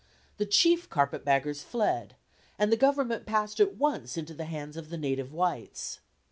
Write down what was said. The chief carpet baggers fled, and the government passed at once into the hands of the native whites.